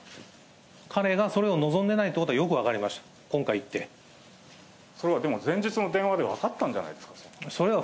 彼がそれを望んでいないということはよく分かりました、今回行っ前日の電話で分かったんじゃないですか、それは。